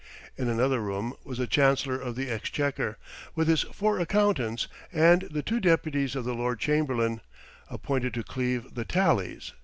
In another room was the Chancellor of the Exchequer, with his four accountants, and the two deputies of the Lord Chamberlain, appointed to cleave the tallies.